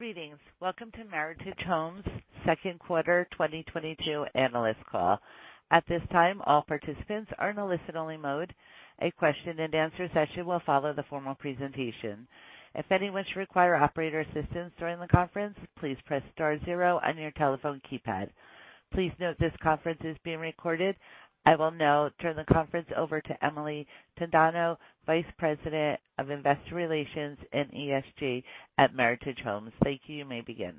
Greetings. Welcome to Meritage Homes second quarter 2022 analyst call. At this time, all participants are in a listen-only mode. A question-and-answer session will follow the formal presentation. If anyone should require operator assistance during the conference, please press star zero on your telephone keypad. Please note this conference is being recorded. I will now turn the conference over to Emily Tadano, Vice President of Investor Relations and ESG at Meritage Homes. Thank you. You may begin.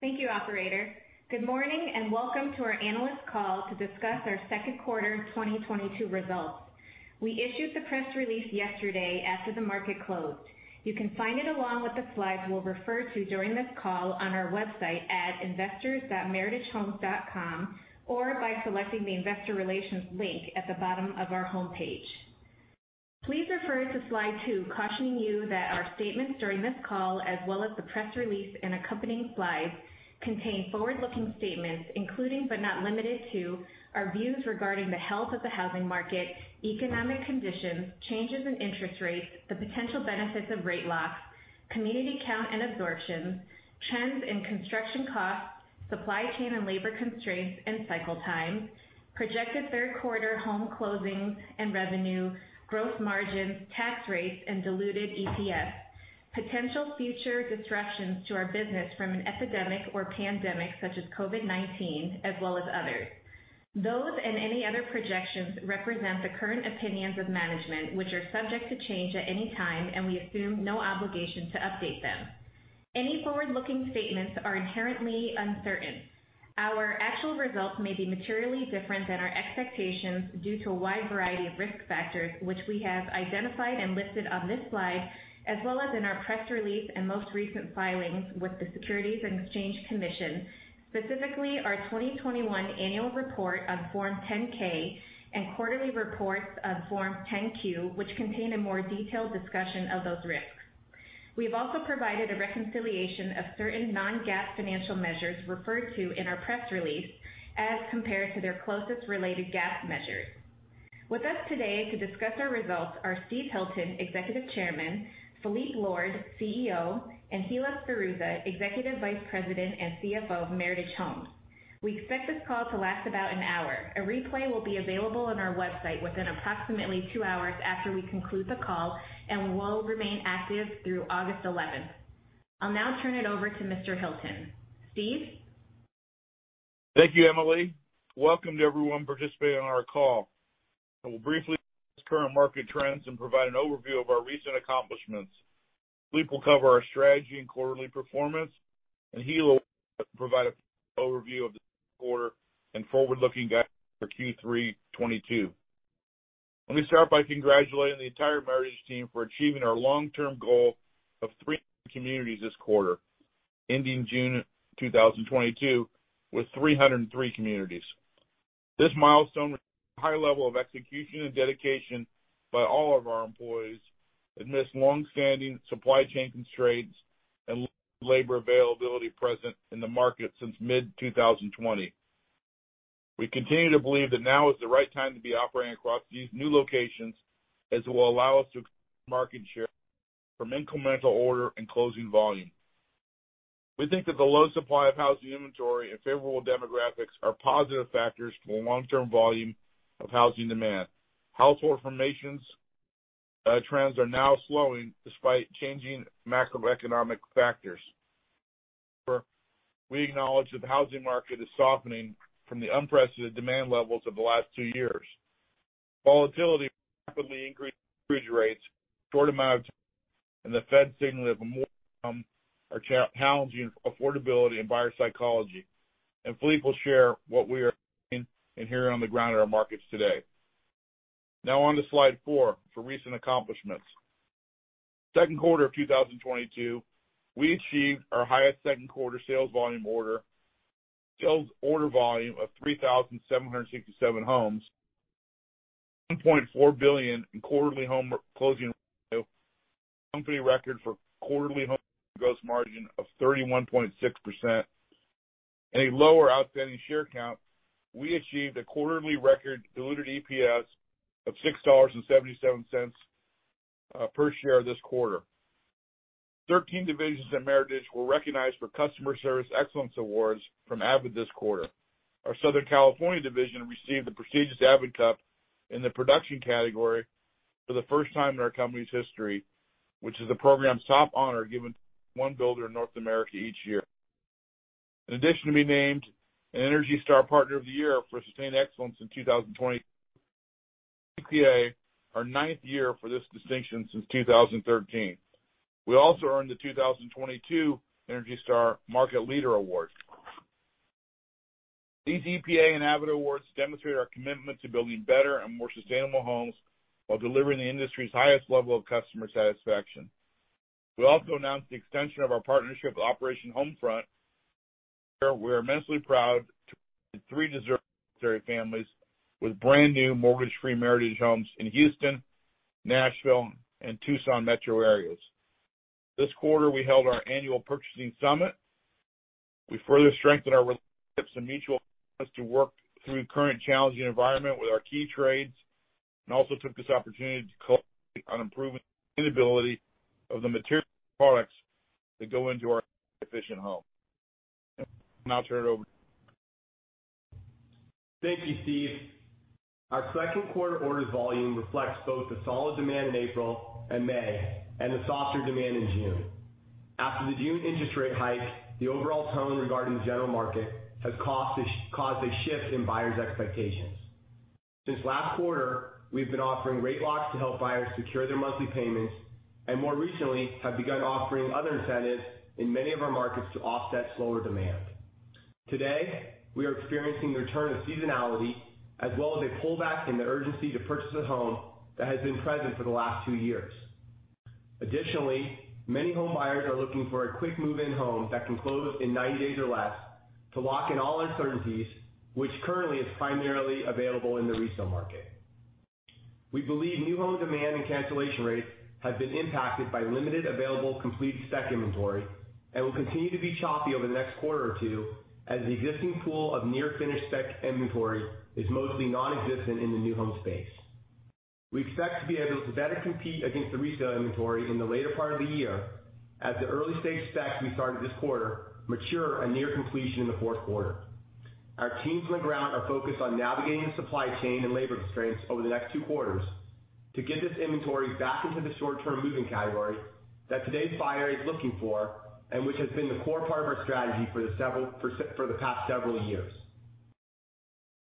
Thank you, operator. Good morning, and welcome to our analyst call to discuss our second quarter 2022 results. We issued the press release yesterday after the market closed. You can find it along with the slides we'll refer to during this call on our website at investors.meritagehomes.com, or by selecting the Investor Relations link at the bottom of our homepage. Please refer to slide two, cautioning you that our statements during this call, as well as the press release and accompanying slides, contain forward-looking statements, including, but not limited to, our views regarding the health of the housing market, economic conditions, changes in interest rates, the potential benefits of rate locks, community count and absorption, trends in construction costs, supply chain and labor constraints and cycle time, projected third quarter home closings and revenue, gross margins, tax rates, and diluted EPS, potential future disruptions to our business from an epidemic or pandemic such as COVID-19, as well as others. Those and any other projections represent the current opinions of management, which are subject to change at any time, and we assume no obligation to update them. Any forward-looking statements are inherently uncertain. Our actual results may be materially different than our expectations due to a wide variety of risk factors, which we have identified and listed on this slide, as well as in our press release and most recent filings with the Securities and Exchange Commission, specifically our 2021 annual report on Form 10-K and quarterly reports on Form 10-Q, which contain a more detailed discussion of those risks. We have also provided a reconciliation of certain non-GAAP financial measures referred to in our press release as compared to their closest related GAAP measures. With us today to discuss our results are Steve Hilton, Executive Chairman, Phillippe Lord, CEO, and Hilla Sferruzza, Executive Vice President and CFO of Meritage Homes. We expect this call to last about an hour. A replay will be available on our website within approximately 2 hours after we conclude the call and will remain active through August eleventh. I'll now turn it over to Mr. Hilton. Steve? Thank you, Emily. Welcome to everyone participating on our call. I will briefly discuss current market trends and provide an overview of our recent accomplishments. Phillippe will cover our strategy and quarterly performance, and Hilla will provide an overview of the second quarter and forward-looking guidance for Q3 2022. Let me start by congratulating the entire Meritage team for achieving our long-term goal of 3 communities this quarter, ending June 2022 with 303 communities. This milestone high level of execution and dedication by all of our employees amidst longstanding supply chain constraints and labor availability present in the market since mid-2020. We continue to believe that now is the right time to be operating across these new locations, as it will allow us to market share from incremental order and closing volume. We think that the low supply of housing inventory and favorable demographics are positive factors for long-term volume of housing demand. Household formations trends are now slowing despite changing macroeconomic factors. We acknowledge that the housing market is softening from the unprecedented demand levels of the last two years. Volatility, rapidly increased rates, shortage, and the Fed signaling of more are challenging affordability and buyer psychology. Phillippe will share what we are seeing and hearing on the ground in our markets today. Now on to slide four for recent accomplishments. Second quarter of 2022, we achieved our highest second quarter sales volume order. Sales order volume of 3,767 homes, $1.4 billion in quarterly home closing company record for quarterly home gross margin of 31.6% and a lower outstanding share count. We achieved a quarterly record diluted EPS of $6.77 per share this quarter. 13 divisions at Meritage were recognized for Customer Service Excellence Awards from Avid this quarter. Our Southern California division received the prestigious Avid Cup in the production category for the first time in our company's history, which is the program's top honor given to one builder in North America each year. In addition to being named an ENERGY STAR Partner of the Year for sustained excellence in 2020 by EPA, our ninth year for this distinction since 2013. We also earned the 2022 ENERGY STAR Market Leader award. These EPA and Avid awards demonstrate our commitment to building better and more sustainable homes while delivering the industry's highest level of customer satisfaction. We also announced the extension of our partnership with Operation Homefront. We are immensely proud to provide three deserving military families with brand-new mortgage-free Meritage Homes in Houston, Nashville, and Tucson metro areas. This quarter, we held our annual purchasing summit. We further strengthened our relationships and mutual trust to work through the current challenging environment with our key trades, and also took this opportunity to collaborate on improving the sustainability of the material products that go into our efficient home. Now I'll turn it over. Thank you, Steve. Our second quarter orders volume reflects both the solid demand in April and May and the softer demand in June. After the June interest rate hike, the overall tone regarding the general market has caused a shift in buyers' expectations. Since last quarter, we've been offering rate locks to help buyers secure their monthly payments and more recently have begun offering other incentives in many of our markets to offset slower demand. Today, we are experiencing the return of seasonality as well as a pullback in the urgency to purchase a home that has been present for the last two years. Additionally, many home buyers are looking for a quick move-in home that can close in 90 days or less to lock in all uncertainties, which currently is primarily available in the resale market. We believe new home demand and cancellation rates have been impacted by limited available complete spec inventory and will continue to be choppy over the next quarter or two as the existing pool of near-finished spec inventory is mostly nonexistent in the new home space. We expect to be able to better compete against the resale inventory in the later part of the year as the early-stage specs we started this quarter mature on near completion in the fourth quarter. Our teams on the ground are focused on navigating the supply chain and labor constraints over the next two quarters to get this inventory back into the short-term move-in category that today's buyer is looking for and which has been the core part of our strategy for the past several years.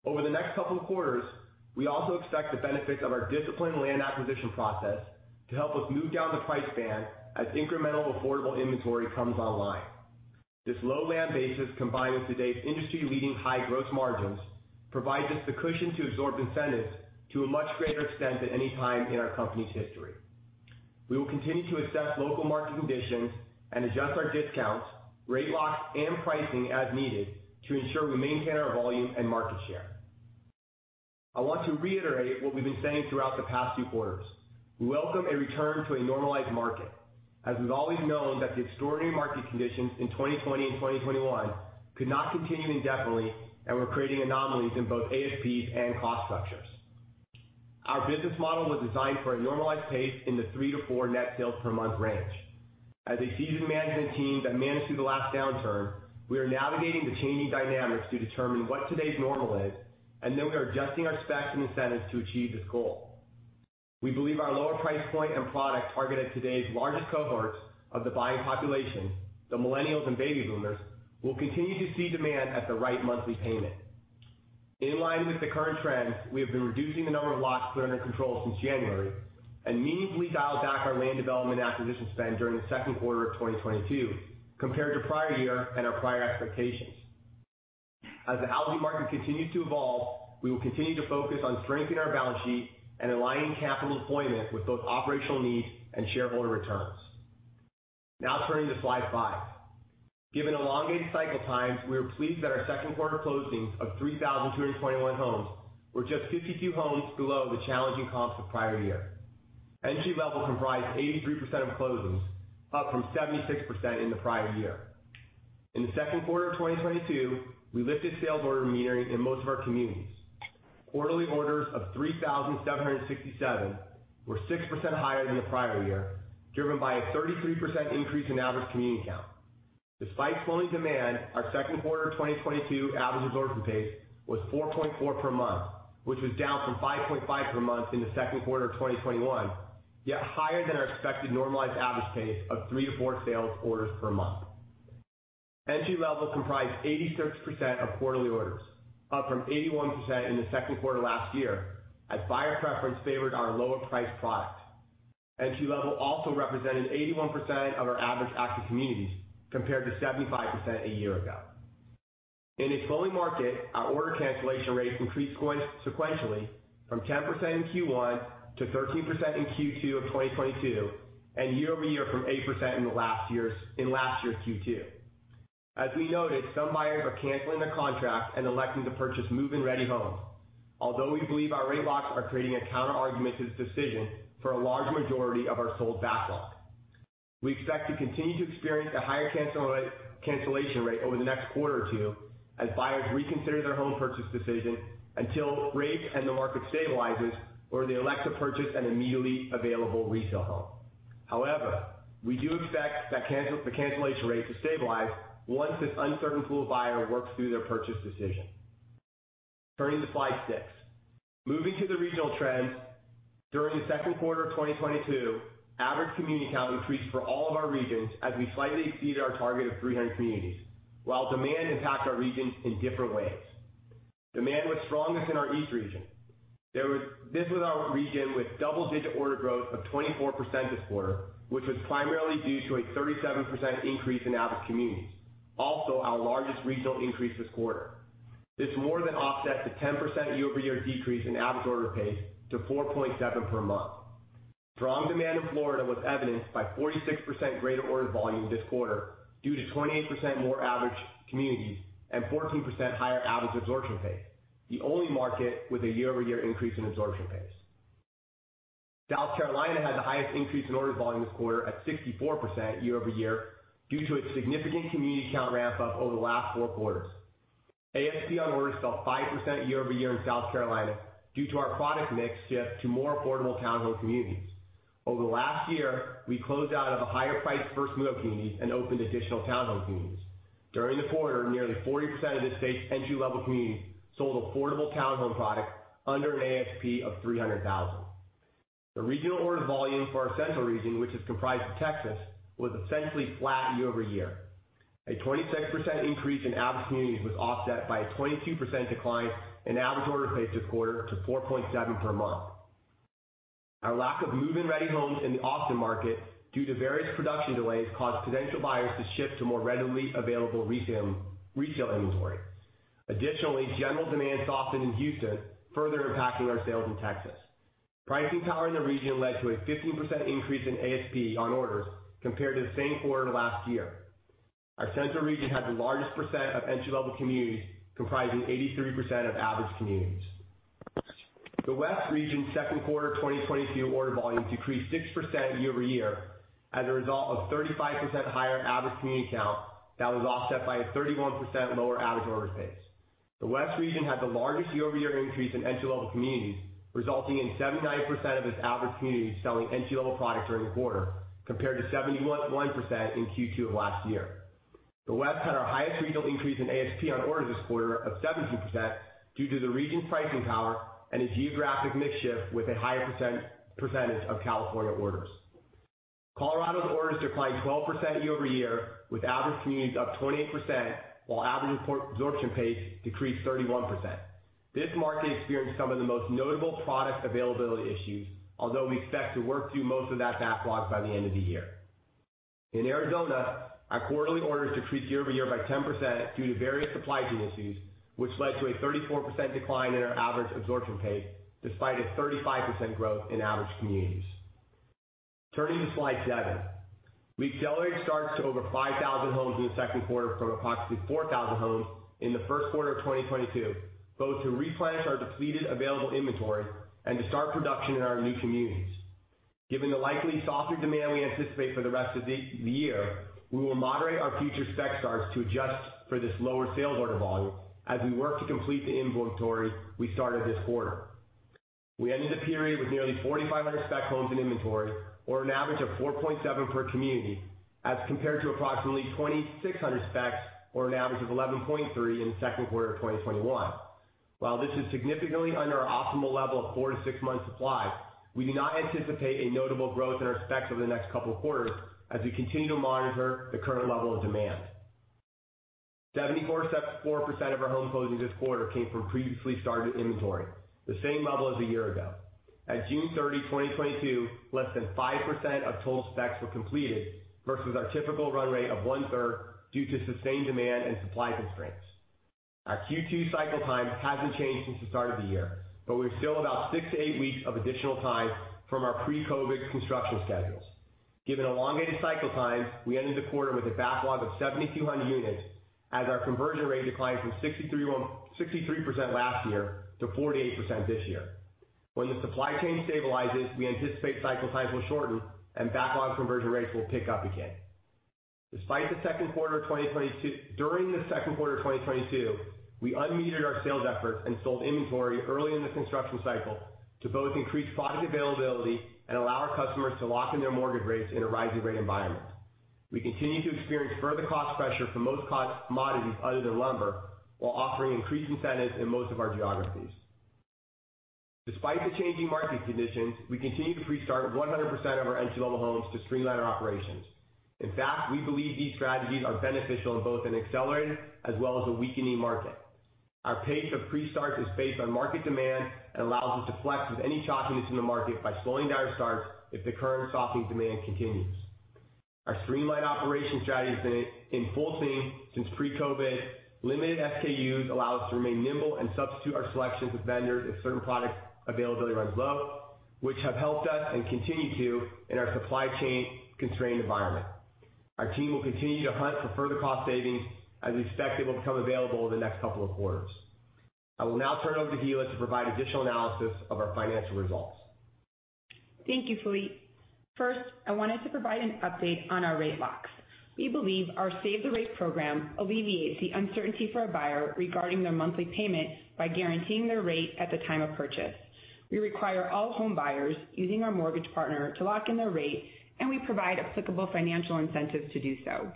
Over the next couple of quarters, we also expect the benefits of our disciplined land acquisition process to help us move down the price band as incremental affordable inventory comes online. This low land basis, combined with today's industry-leading high gross margins, provides us the cushion to absorb incentives to a much greater extent than any time in our company's history. We will continue to assess local market conditions and adjust our discounts, rate locks, and pricing as needed to ensure we maintain our volume and market share. I want to reiterate what we've been saying throughout the past few quarters. We welcome a return to a normalized market as we've always known that the extraordinary market conditions in 2020 and 2021 could not continue indefinitely and were creating anomalies in both ASPs and cost structures. Our business model was designed for a normalized pace in the 3-4 net sales per month range. As a seasoned management team that managed through the last downturn, we are navigating the changing dynamics to determine what today's normal is, and then we are adjusting our specs and incentives to achieve this goal. We believe our lower price point and product targeted today's largest cohorts of the buying population, the millennials and baby boomers, will continue to see demand at the right monthly payment. In line with the current trends, we have been reducing the number of lots that are under control since January and meaningfully dialed back our land development acquisition spend during the second quarter of 2022 compared to prior year and our prior expectations. As the housing market continues to evolve, we will continue to focus on strengthening our balance sheet and aligning capital deployment with both operational needs and shareholder returns. Now turning to slide five. Given elongated cycle times, we are pleased that our second quarter closings of 3,221 homes were just 52 homes below the challenging comps of prior year. Entry-level comprised 83% of closings, up from 76% in the prior year. In the second quarter of 2022, we lifted sales order metering in most of our communities. Quarterly orders of 3,767 were 6% higher than the prior year, driven by a 33% increase in average community count. Despite slowing demand, our second quarter of 2022 average absorption pace was 4.4 per month, which was down from 5.5 per month in the second quarter of 2021, yet higher than our expected normalized average pace of 3-4 sales orders per month. Entry-level comprised 86% of quarterly orders, up from 81% in the second quarter last year, as buyer preference favored our lower priced product. Entry-level also represented 81% of our average active communities, compared to 75% a year ago. In a slowing market, our order cancellation rate increased going sequentially from 10% in Q1 to 13% in Q2 of 2022 and year-over-year from 8% in last year's Q2. As we noted, some buyers are canceling their contracts and electing to purchase move-in-ready homes. Although we believe our rate locks are creating a counterargument to this decision for a large majority of our sold backlog, we expect to continue to experience a higher cancellation rate over the next quarter or two as buyers reconsider their home purchase decision until rates and the market stabilizes or they elect to purchase an immediately available resale home. However, we do expect that the cancellation rate to stabilize once this uncertain pool of buyer works through their purchase decision. Turning to slide 6. Moving to the regional trends, during the second quarter of 2022, average community count increased for all of our regions as we slightly exceeded our target of 300 communities while demand impacted our regions in different ways. Demand was strongest in our East region. This was our region with double-digit order growth of 24% this quarter, which was primarily due to a 37% increase in average communities. Also, our largest regional increase this quarter. This more than offsets the 10% year-over-year decrease in average order pace to 4.7 per month. Strong demand in Florida was evidenced by 46% greater orders volume this quarter, due to 28% more average communities and 14% higher average absorption pace, the only market with a year-over-year increase in absorption pace. South Carolina had the highest increase in order volume this quarter at 64% year-over-year, due to its significant community count ramp up over the last four quarters. ASP on orders fell 5% year-over-year in South Carolina due to our product mix shift to more affordable townhome communities. Over the last year, we closed out of a higher priced first move-up community and opened additional townhome communities. During the quarter, nearly 40% of the state's entry-level communities sold affordable townhome product under an ASP of $300,000. The regional order volume for our central region, which is comprised of Texas, was essentially flat year-over-year. A 26% increase in average communities was offset by a 22% decline in average order pace this quarter to 4.7 per month. Our lack of move-in-ready homes in the Austin market due to various production delays caused potential buyers to shift to more readily available resale inventory. Additionally, general demand softened in Houston, further impacting our sales in Texas. Pricing power in the region led to a 15% increase in ASP on orders compared to the same quarter last year. Our central region had the largest percent of entry-level communities, comprising 83% of average communities. The West region's second quarter 2022 order volume decreased 6% year-over-year as a result of 35% higher average community count that was offset by a 31% lower average order pace. The West region had the largest year-over-year increase in entry-level communities, resulting in 79% of its average communities selling entry-level product during the quarter, compared to 71% in Q2 of last year. The West had our highest regional increase in ASP on orders this quarter of 17% due to the region's pricing power and its geographic mix shift with a higher percentage of California orders. Colorado's orders declined 12% year-over-year, with average communities up 28% while average absorption pace decreased 31%. This market experienced some of the most notable product availability issues, although we expect to work through most of that backlog by the end of the year. In Arizona, our quarterly orders decreased year-over-year by 10% due to various supply chain issues, which led to a 34% decline in our average absorption pace, despite a 35% growth in average communities. Turning to slide seven. We accelerated starts to over 5,000 homes in the second quarter from approximately 4,000 homes in the first quarter of 2022, both to replenish our depleted available inventory and to start production in our new communities. Given the likely softer demand we anticipate for the rest of the year, we will moderate our future spec starts to adjust for this lower sales order volume as we work to complete the inventory we started this quarter. We ended the period with nearly 4,500 spec homes in inventory or an average of 4.7 per community as compared to approximately 2,600 specs or an average of 11.3 in the second quarter of 2021. While this is significantly under our optimal level of 4-6 months supply, we do not anticipate a notable growth in our specs over the next couple of quarters as we continue to monitor the current level of demand. 74% of our home closings this quarter came from previously started inventory, the same level as a year ago. At June 30, 2022, less than 5% of total specs were completed versus our typical run rate of 1/3 due to sustained demand and supply constraints. Our Q2 cycle time hasn't changed since the start of the year, but we're still about 6-8 weeks of additional time from our pre-COVID construction schedules. Given elongated cycle times, we ended the quarter with a backlog of 7,200 units as our conversion rate declined from 63% last year to 48% this year. When the supply chain stabilizes, we anticipate cycle times will shorten and backlog conversion rates will pick up again. During the second quarter of 2022, we unmetered our sales efforts and sold inventory early in the construction cycle to both increase product availability and allow our customers to lock in their mortgage rates in a rising rate environment. We continue to experience further cost pressure for most commodities other than lumber, while offering increased incentives in most of our geographies. Despite the changing market conditions, we continue to pre-start 100% of our entry-level homes to streamline our operations. In fact, we believe these strategies are beneficial in both an accelerated as well as a weakening market. Our pace of pre-starts is based on market demand and allows us to flex with any choppiness in the market by slowing down our starts if the current softening demand continues. Our streamlined operation strategy has been in full swing since pre-COVID. Limited SKUs allow us to remain nimble and substitute our selections with vendors if certain product availability runs low, which have helped us and continue to in our supply chain constrained environment. Our team will continue to hunt for further cost savings as we expect it will become available in the next couple of quarters. I will now turn it over to Hilla to provide additional analysis of our financial results. Thank you, Phillippe. First, I wanted to provide an update on our rate locks. We believe our Save the Rate program alleviates the uncertainty for a buyer regarding their monthly payment by guaranteeing their rate at the time of purchase. We require all homebuyers using our mortgage partner to lock in their rate, and we provide applicable financial incentives to do so.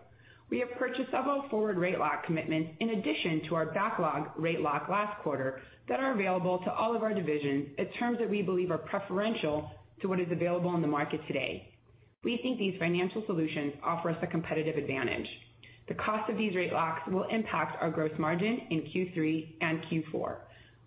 We have purchased several forward rate lock commitments in addition to our backlog rate lock last quarter that are available to all of our divisions at terms that we believe are preferential to what is available on the market today. We think these financial solutions offer us a competitive advantage. The cost of these rate locks will impact our gross margin in Q3 and Q4.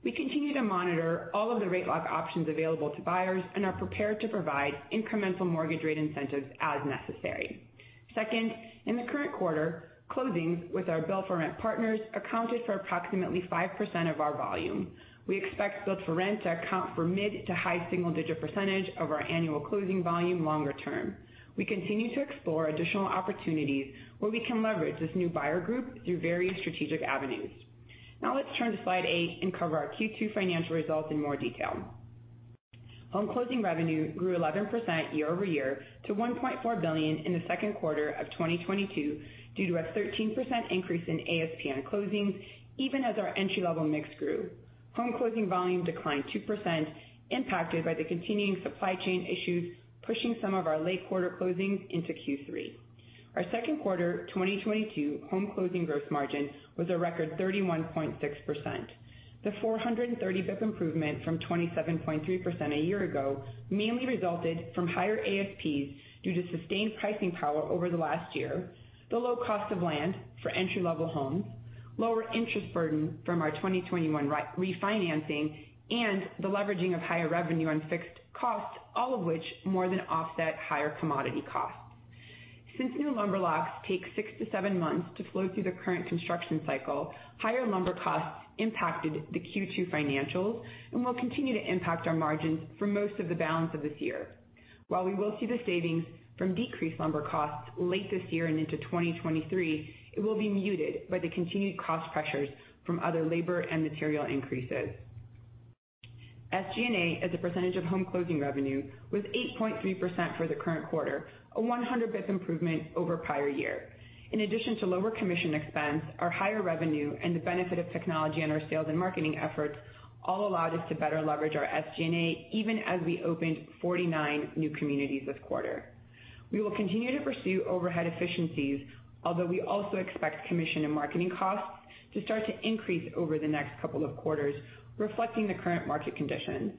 We continue to monitor all of the rate lock options available to buyers and are prepared to provide incremental mortgage rate incentives as necessary. Second, in the current quarter, closings with our Build-to-Rent partners accounted for approximately 5% of our volume. We expect Build-to-Rent to account for mid- to high single-digit percentage of our annual closing volume longer term. We continue to explore additional opportunities where we can leverage this new buyer group through various strategic avenues. Now let's turn to slide eight and cover our Q2 financial results in more detail. Home closing revenue grew 11% year-over-year to $1.4 billion in the second quarter of 2022 due to a 13% increase in ASP on closings even as our entry-level mix grew. Home closing volume declined 2%, impacted by the continuing supply chain issues, pushing some of our late-quarter closings into Q3. Our second quarter 2022 home closing gross margin was a record 31.6%. The 430 basis points improvement from 27.3% a year ago mainly resulted from higher ASPs due to sustained pricing power over the last year. The low cost of land for entry-level homes, lower interest burden from our 2021 refinancing, and the leveraging of higher revenue on fixed costs, all of which more than offset higher commodity costs. Since new lumber costs take 6-7 months to flow through the current construction cycle, higher lumber costs impacted the Q2 financials and will continue to impact our margins for most of the balance of this year. While we will see the savings from decreased lumber costs late this year and into 2023, it will be muted by the continued cost pressures from other labor and material increases. SG&A, as a percentage of home closing revenue, was 8.3% for the current quarter, a 100 basis points improvement over prior year. In addition to lower commission expense, our higher revenue and the benefit of technology on our sales and marketing efforts all allowed us to better leverage our SG&A, even as we opened 49 new communities this quarter. We will continue to pursue overhead efficiencies, although we also expect commission and marketing costs to start to increase over the next couple of quarters, reflecting the current market condition.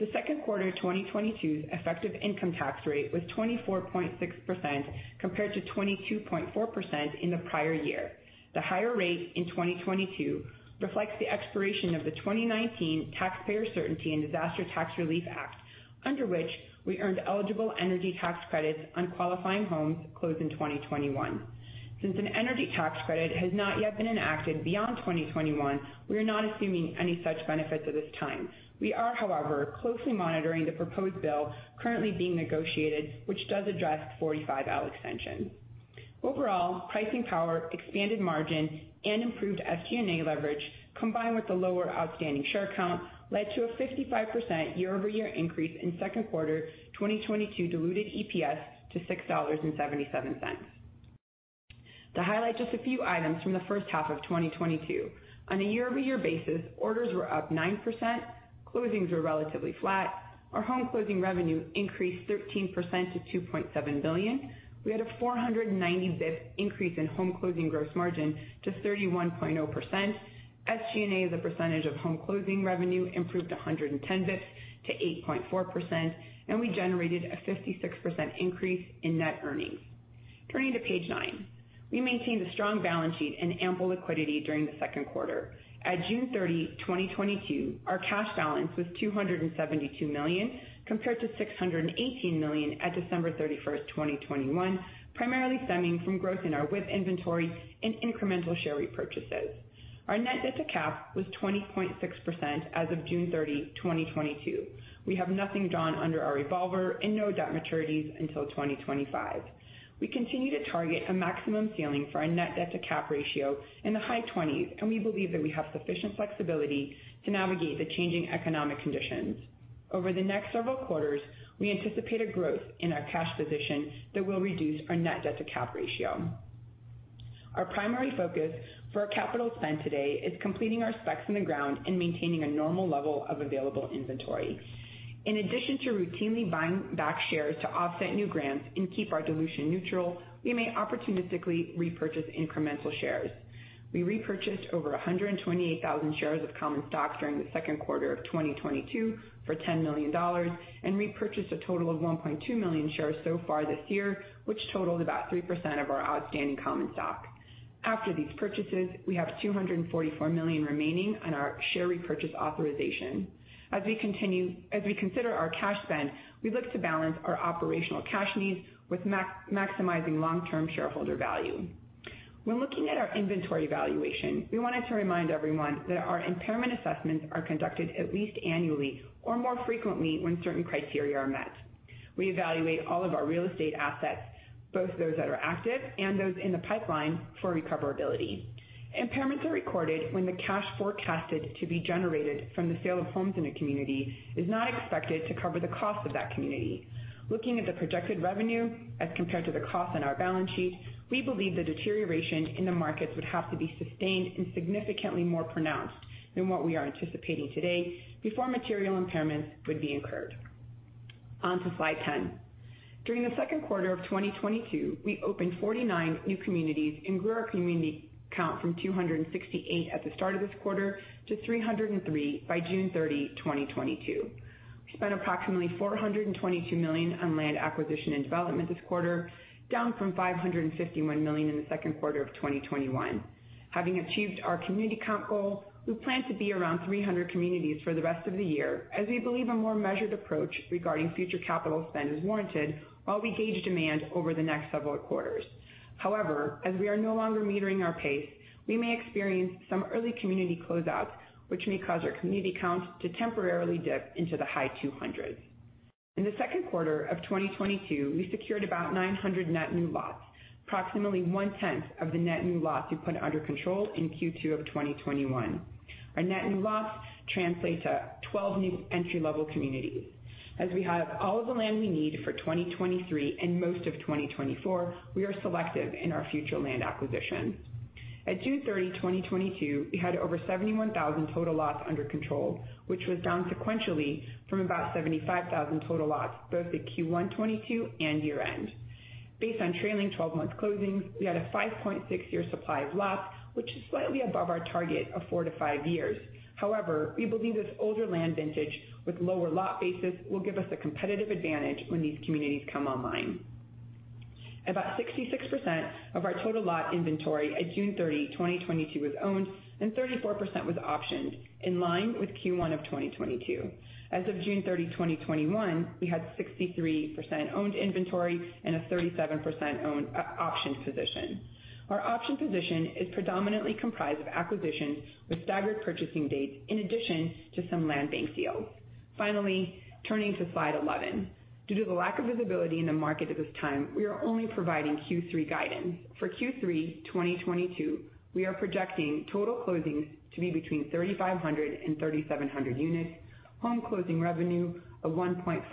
The second quarter of 2022's effective income tax rate was 24.6% compared to 22.4% in the prior year. The higher rate in 2022 reflects the expiration of the 2019 Taxpayer Certainty and Disaster Tax Relief Act, under which we earned eligible energy tax credits on qualifying homes closed in 2021. Since an energy tax credit has not yet been enacted beyond 2021, we are not assuming any such benefits at this time. We are, however, closely monitoring the proposed bill currently being negotiated, which does address 45L extension. Overall, pricing power, expanded margin, and improved SG&A leverage, combined with the lower outstanding share count, led to a 55% year-over-year increase in second quarter 2022 diluted EPS to $6.77. To highlight just a few items from the first half of 2022. On a year-over-year basis, orders were up 9%, closings were relatively flat. Our home closing revenue increased 13% to $2.7 billion. We had a 490 basis points increase in home closing gross margin to 31.0%. SG&A, as a percentage of home closing revenue, improved 110 basis points to 8.4%, and we generated a 56% increase in net earnings. Turning to page nine. We maintained a strong balance sheet and ample liquidity during the second quarter. At June 30, 2022, our cash balance was $272 million, compared to $618 million at December 31, 2021, primarily stemming from growth in our WIP inventory and incremental share repurchases. Our net debt to cap was 20.6% as of June 30, 2022. We have nothing drawn under our revolver and no debt maturities until 2025. We continue to target a maximum ceiling for our net debt to cap ratio in the high 20s percent, and we believe that we have sufficient flexibility to navigate the changing economic conditions. Over the next several quarters, we anticipate a growth in our cash position that will reduce our net debt to cap ratio. Our primary focus for our capital spend today is completing our specs in the ground and maintaining a normal level of available inventory. In addition to routinely buying back shares to offset new grants and keep our dilution neutral, we may opportunistically repurchase incremental shares. We repurchased over 128,000 shares of common stock during the second quarter of 2022 for $10 million and repurchased a total of 1.2 million shares so far this year, which totals about 3% of our outstanding common stock. After these purchases, we have $244 million remaining on our share repurchase authorization. As we consider our cash spend, we look to balance our operational cash needs with maximizing long-term shareholder value. When looking at our inventory valuation, we wanted to remind everyone that our impairment assessments are conducted at least annually or more frequently when certain criteria are met. We evaluate all of our real estate assets, both those that are active and those in the pipeline, for recoverability. Impairments are recorded when the cash forecasted to be generated from the sale of homes in a community is not expected to cover the cost of that community. Looking at the projected revenue as compared to the cost on our balance sheet, we believe the deterioration in the markets would have to be sustained and significantly more pronounced than what we are anticipating today before material impairments would be incurred. On to slide 10. During the second quarter of 2022, we opened 49 new communities and grew our community count from 268 at the start of this quarter to 303 by June 30, 2022. We spent approximately $422 million on land acquisition and development this quarter, down from $551 million in the second quarter of 2021. Having achieved our community count goal, we plan to be around 300 communities for the rest of the year as we believe a more measured approach regarding future capital spend is warranted while we gauge demand over the next several quarters. However, as we are no longer metering our pace, we may experience some early community closeouts, which may cause our community count to temporarily dip into the high 200s. In the second quarter of 2022, we secured about 900 net new lots, approximately 1/10 of the net new lots we put under control in Q2 of 2021. Our net new lots translate to 12 new entry-level communities. As we have all of the land we need for 2023 and most of 2024, we are selective in our future land acquisitions. At June 30, 2022, we had over 71,000 total lots under control, which was down sequentially from about 75,000 total lots, both at Q1 2022 and year-end. Based on trailing twelve-month closings, we had a 5.6-year supply of lots, which is slightly above our target of 4-5 years. However, we believe this older land vintage with lower lot basis will give us a competitive advantage when these communities come online. About 66% of our total lot inventory at June 30, 2022 was owned and 34% was optioned in line with Q1 2022. As of June 30, 2021, we had 63% owned inventory and a 37% optioned position. Our option position is predominantly comprised of acquisitions with staggered purchasing dates in addition to some land bank deals. Finally, turning to slide 11. Due to the lack of visibility in the market at this time, we are only providing Q3 guidance. For Q3 2022, we are projecting total closings to be between 3,500-3,700 units, home closing revenue of $1.575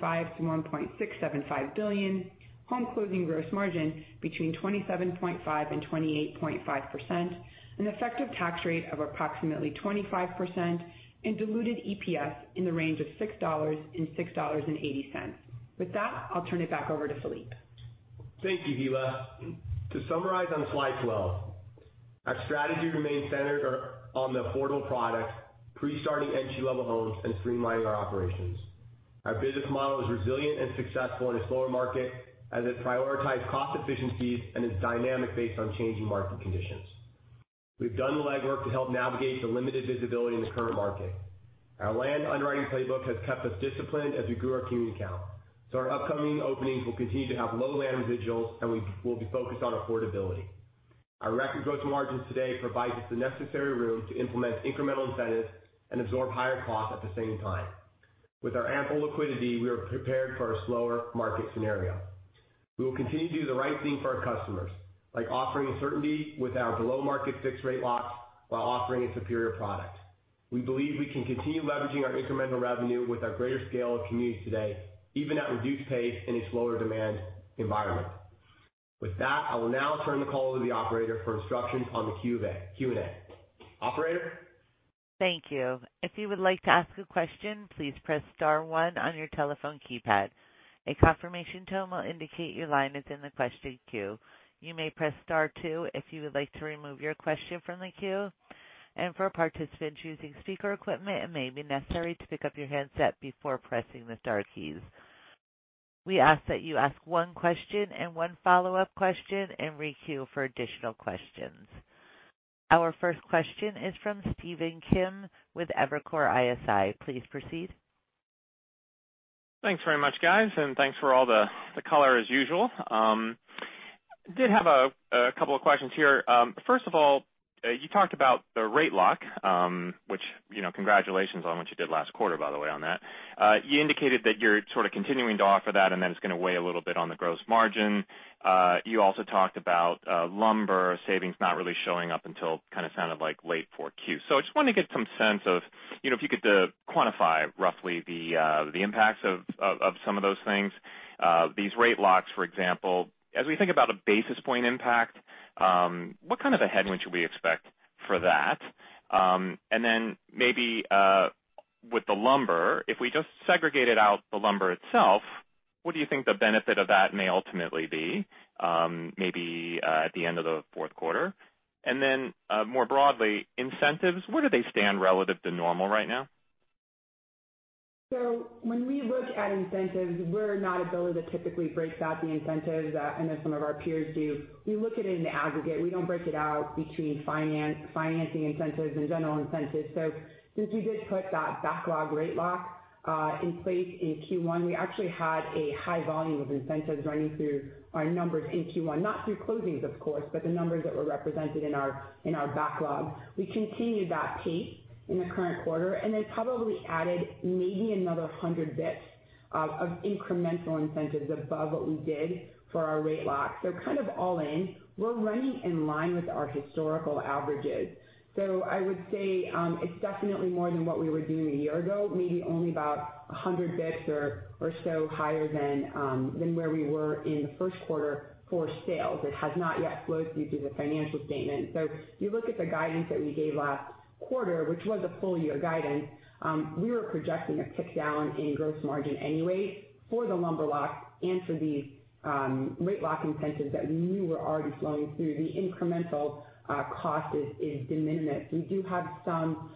billion-$1.675 billion, home closing gross margin between 27.5%-28.5%, an effective tax rate of approximately 25%, and diluted EPS in the range of $6-$6.80. With that, I'll turn it back over to Phillippe. Thank you, Hilla. To summarize on slide 12, our strategy remains centered on the affordable product, pre-starting entry-level homes and streamlining our operations. Our business model is resilient and successful in a slower market as it prioritizes cost efficiencies and is dynamic based on changing market conditions. We've done the legwork to help navigate the limited visibility in the current market. Our land underwriting playbook has kept us disciplined as we grew our community count. Our upcoming openings will continue to have low land residuals, and we will be focused on affordability. Our record growth margins today provides us the necessary room to implement incremental incentives and absorb higher costs at the same time. With our ample liquidity, we are prepared for a slower market scenario. We will continue to do the right thing for our customers, like offering certainty with our below-market fixed rate locks while offering a superior product. We believe we can continue leveraging our incremental revenue with our greater scale of communities today, even at reduced pace in a slower demand environment. With that, I will now turn the call to the operator for instructions on the Q&A. Operator? Thank you. If you would like to ask a question, please press star one on your telephone keypad. A confirmation tone will indicate your line is in the question queue. You may press star two if you would like to remove your question from the queue. For participants using speaker equipment, it may be necessary to pick up your handset before pressing the star keys. We ask that you ask one question and one follow-up question and re-queue for additional questions. Our first question is from Stephen Kim with Evercore ISI. Please proceed. Thanks very much, guys, and thanks for all the color as usual. Did have a couple of questions here. First of all, you talked about the rate lock, which, you know, congratulations on what you did last quarter, by the way, on that. You indicated that you're sort of continuing to offer that, and then it's gonna weigh a little bit on the gross margin. You also talked about lumber savings not really showing up until kinda sounded like late Q4. I just wanted to get some sense of, you know, if you could quantify roughly the impacts of some of those things. These rate locks, for example, as we think about a basis point impact, what kind of a headwind should we expect for that? Maybe with the lumber, if we just segregated out the lumber itself, what do you think the benefit of that may ultimately be, maybe at the end of the fourth quarter? More broadly, incentives, where do they stand relative to normal right now? When we look at incentives, we're not a builder that typically breaks out the incentives. I know some of our peers do. We look at it in aggregate. We don't break it out between financing incentives and general incentives. Since we did put that backlog rate lock in place in Q1, we actually had a high volume of incentives running through our numbers in Q1. Not through closings, of course, but the numbers that were represented in our backlog. We continued that pace in the current quarter, and they probably added maybe another 100 basis points of incremental incentives above what we did for our rate lock. Kind of all in, we're running in line with our historical averages. I would say it's definitely more than what we were doing a year ago, maybe only about 100 basis points or so higher than where we were in the first quarter for sales. It has not yet flowed through to the financial statement. If you look at the guidance that we gave last quarter, which was a full year guidance, we were projecting a tick down in gross margin anyway for the lumber costs and for these rate lock incentives that we knew were already flowing through. The incremental cost is de minimis. We do have some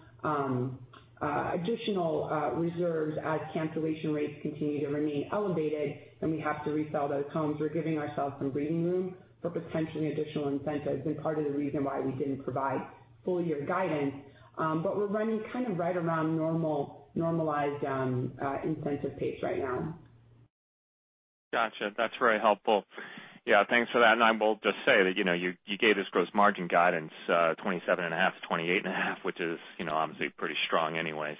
additional reserves as cancellation rates continue to remain elevated, and we have to resell those homes. We're giving ourselves some breathing room for potentially additional incentives and part of the reason why we didn't provide full year guidance. We're running kind of right around normal, normalized incentive pace right now. Gotcha. That's very helpful. Yeah, thanks for that. I will just say that, you know, you gave this gross margin guidance, 27.5%-28.5%, which is, you know, obviously pretty strong anyway.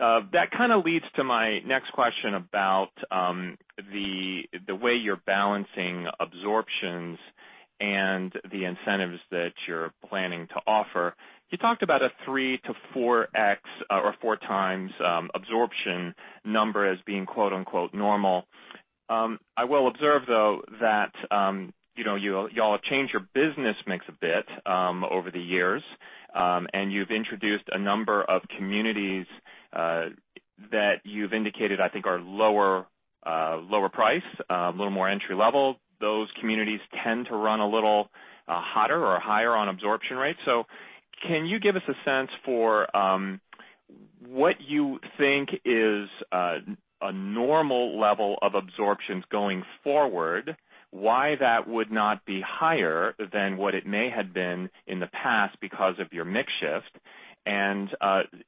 That kind of leads to my next question about the way you're balancing absorptions and the incentives that you're planning to offer. You talked about a 3x-4x or 4x absorption number as being "normal." I will observe, though, that, you know, you all have changed your business mix a bit, over the years, and you've introduced a number of communities that you've indicated, I think are lower price, a little more entry-level. Those communities tend to run a little hotter or higher on absorption rates. Can you give us a sense for what you think is a normal level of absorptions going forward, why that would not be higher than what it may have been in the past because of your mix shift?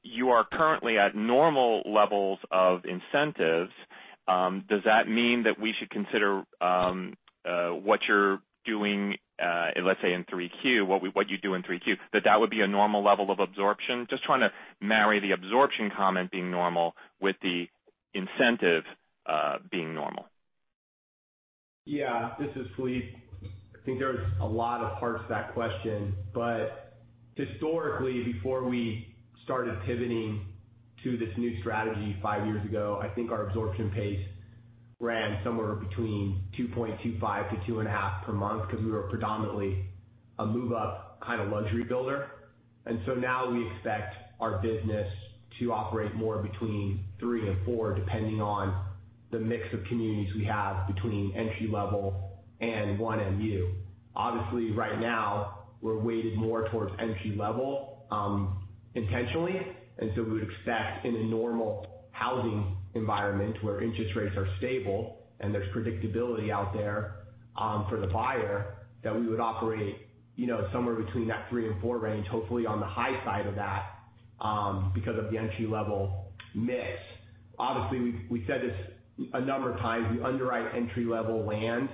You are currently at normal levels of incentives. Does that mean that we should consider what you're doing, let's say in 3Q, what you do in 3Q, that would be a normal level of absorption? Just trying to marry the absorption comment being normal with the incentive being normal. Yeah, this is Phillippe. I think there's a lot of parts to that question. Historically, before we started pivoting to this new strategy five years ago, I think our absorption pace ran somewhere between 2.25-2.5 per month because we were predominantly a move-up kind of luxury builder. Now we expect our business to operate more between 3-4, depending on the mix of communities we have between entry-level and first move-up. Obviously, right now we're weighted more towards entry-level, intentionally, and so we would expect in a normal housing environment where interest rates are stable and there's predictability out there, for the buyer, that we would operate, you know, somewhere between that 3-4 range. Hopefully on the high side of that, because of the entry-level mix. Obviously, we said this a number of times. We underwrite entry-level land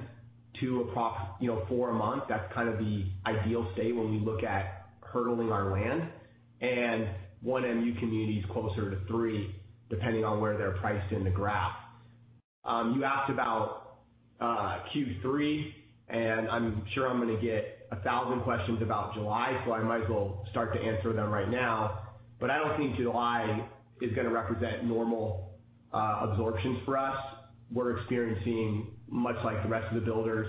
to approximately, you know, four a month. That's kind of the ideal state when we look at hurdling our land. First move-up community is closer to three, depending on where they're priced in the graph. You asked about Q3, and I'm sure I'm gonna get 1,000 questions about July, so I might as well start to answer them right now. I don't think July is gonna represent normal absorptions for us. We're experiencing, much like the rest of the builders,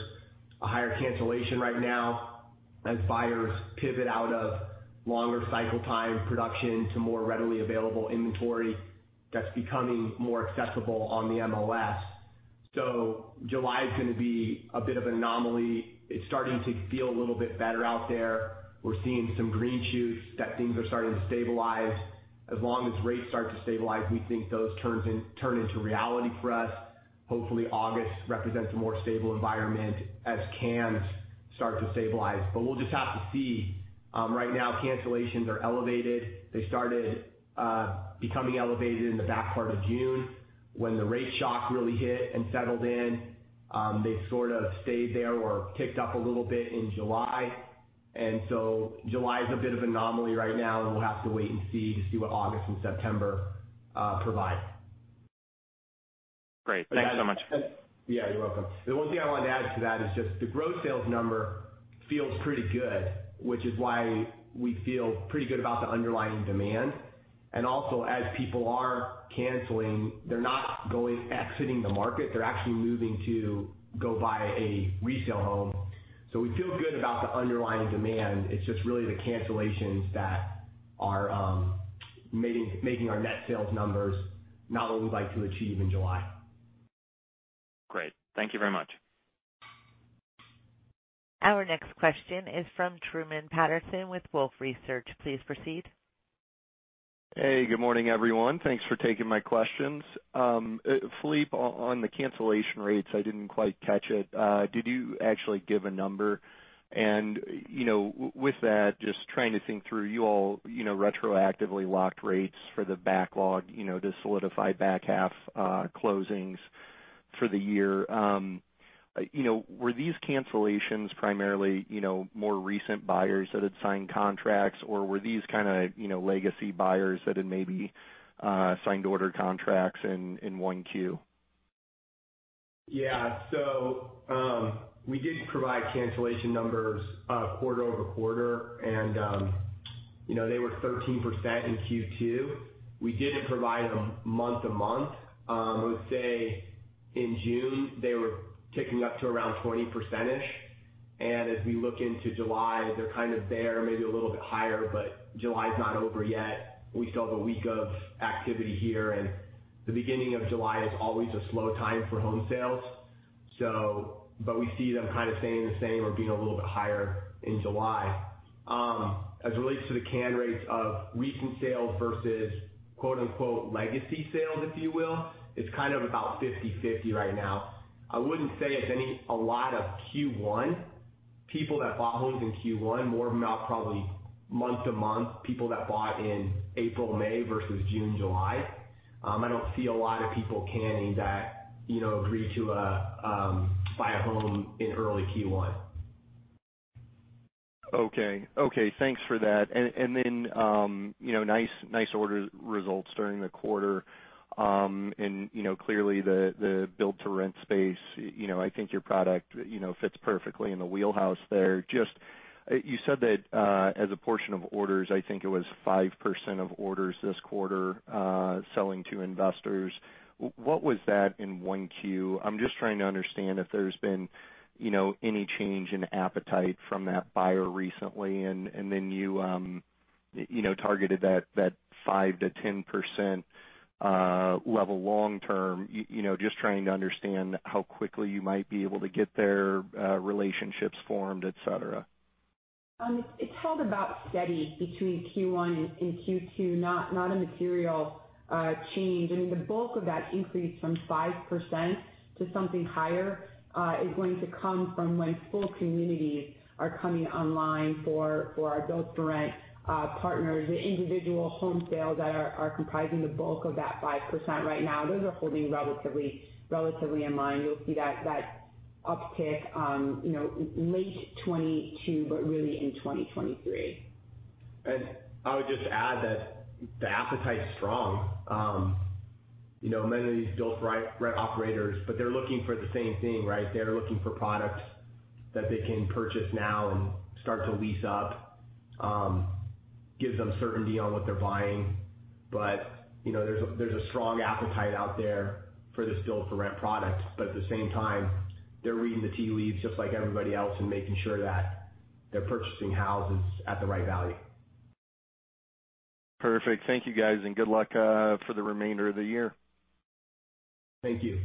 a higher cancellation right now as buyers pivot out of longer cycle time production to more readily available inventory that's becoming more accessible on the MLS. July is gonna be a bit of an anomaly. It's starting to feel a little bit better out there. We're seeing some green shoots that things are starting to stabilize. As long as rates start to stabilize, we think those turn into reality for us. Hopefully, August represents a more stable environment as rates start to stabilize, but we'll just have to see. Right now, cancellations are elevated. They started becoming elevated in the back part of June when the rate shock really hit and settled in. They sort of stayed there or ticked up a little bit in July. July is a bit of anomaly right now, and we'll have to wait and see what August and September provide. Great. Thanks so much. Yeah, you're welcome. The one thing I wanted to add to that is just the growth sales number feels pretty good, which is why we feel pretty good about the underlying demand. As people are canceling, they're not exiting the market, they're actually moving to go buy a resale home. We feel good about the underlying demand. It's just really the cancellations that are making our net sales numbers not what we'd like to achieve in July. Great. Thank you very much. Our next question is from Truman Patterson with Wolfe Research. Please proceed. Hey, good morning, everyone. Thanks for taking my questions. Phillippe, on the cancellation rates, I didn't quite catch it. Did you actually give a number? You know, with that, just trying to think through you all, you know, retroactively locked rates for the backlog, you know, to solidify back half closings for the year. You know, were these cancellations primarily, you know, more recent buyers that had signed contracts, or were these kinda, you know, legacy buyers that had maybe signed order contracts in 1Q? Yeah. We did provide cancellation numbers quarter-over-quarter, and you know, they were 13% in Q2. We didn't provide them month-to-month. I would say in June, they were ticking up to around 20%. As we look into July, they're kind of there, maybe a little bit higher, but July is not over yet. We still have a week of activity here, and the beginning of July is always a slow time for home sales. We see them kind of staying the same or being a little bit higher in July. As it relates to the cancel rates of recent sales versus "legacy sales," if you will, it's kind of about 50/50 right now. I wouldn't say it's a lot of Q1. People that bought homes in Q1, more of them out probably month to month, people that bought in April, May versus June, July. I don't see a lot of people canceling that, you know, agreement to buy a home in early Q1. Okay. Thanks for that. You know, nice order results during the quarter. You know, clearly the Build-to-Rent space, you know, I think your product, you know, fits perfectly in the wheelhouse there. Just, you said that as a portion of orders, I think it was 5% of orders this quarter, selling to investors. What was that in 1Q? I'm just trying to understand if there's been, you know, any change in appetite from that buyer recently, and then you know, targeted that 5%-10% level long term. You know, just trying to understand how quickly you might be able to get their relationships formed, et cetera. It's held about steady between Q1 and Q2. Not a material change. I mean, the bulk of that increase from 5% to something higher is going to come from when full communities are coming online for our build-to-rent partners. The individual home sales that are comprising the bulk of that 5% right now. Those are holding relatively in line. You'll see that uptick, you know, late 2022, but really in 2023. I would just add that the appetite is strong. You know, many of these build-to-rent operators, but they're looking for the same thing, right? They're looking for product that they can purchase now and start to lease up, gives them certainty on what they're buying. You know, there's a strong appetite out there for this build-to-rent product. At the same time, they're reading the tea leaves just like everybody else, and making sure that they're purchasing houses at the right value. Perfect. Thank you, guys, and good luck for the remainder of the year. Thank you.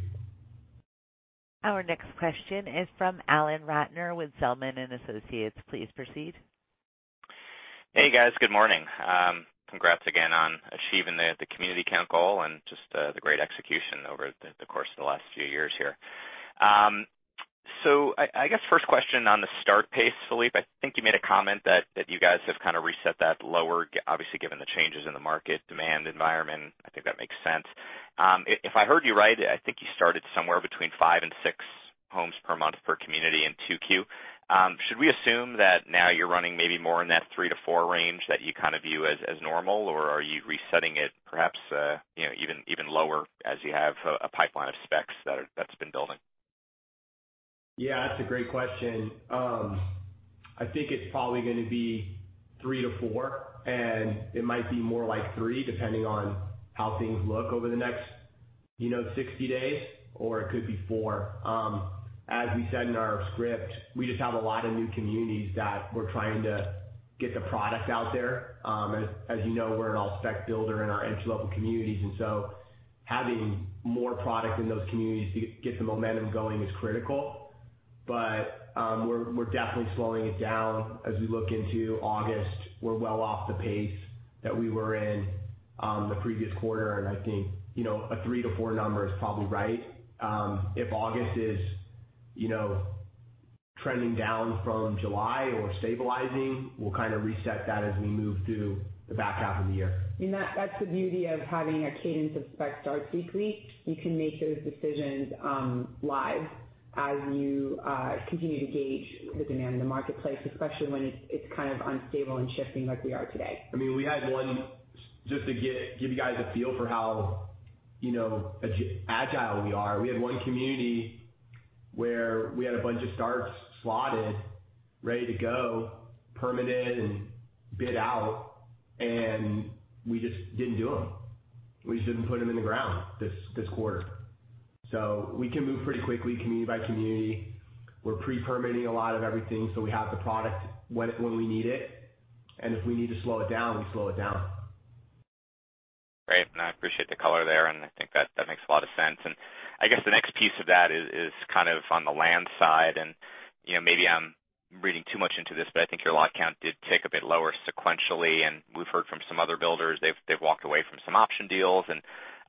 Our next question is from Alan Ratner with Zelman & Associates. Please proceed. Hey, guys. Good morning. Congrats again on achieving the community count goal and just the great execution over the course of the last few years here. I guess first question on the start pace, Phillippe. I think you made a comment that you guys have kinda reset that lower, obviously, given the changes in the market demand environment. I think that makes sense. If I heard you right, I think you started somewhere between five and six homes per month per community in Q2. Should we assume that now you're running maybe more in that 3-4 range that you kind of view as normal, or are you resetting it perhaps, you know, even lower as you have a pipeline of specs that's been building? Yeah, that's a great question. I think it's probably gonna be 3-4, and it might be more like three, depending on how things look over the next, you know, 60 days, or it could be four. As we said in our script, we just have a lot of new communities that we're trying to get the product out there. As you know, we're an all spec builder in our entry-level communities, and so having more product in those communities to get the momentum going is critical. But we're definitely slowing it down as we look into August. We're well off the pace that we were in the previous quarter. I think, you know, a 3-4 number is probably right. If August is, you know, trending down from July or stabilizing, we'll kinda reset that as we move through the back half of the year. That's the beauty of having a cadence of spec starts weekly. You can make those decisions, live as you continue to gauge the demand in the marketplace, especially when it's kind of unstable and shifting like we are today. I mean, we had one. Just to give you guys a feel for how, you know, agile we are. We had one community where we had a bunch of starts slotted, ready to go, permitted and bid out, and we just didn't do them. We just didn't put them in the ground this quarter. We can move pretty quickly community by community. We're pre-permitting a lot of everything, so we have the product when we need it, and if we need to slow it down, we slow it down. Great. I appreciate the color there, and I think that makes a lot of sense. I guess the next piece of that is kind of on the land side. You know, maybe I'm reading too much into this, but I think your lot count did tick a bit lower sequentially. We've heard from some other builders, they've walked away from some option deals.